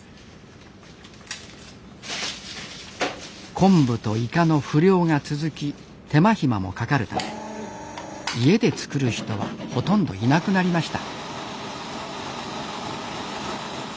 昆布とイカの不漁が続き手間暇もかかるため家で作る人はほとんどいなくなりました。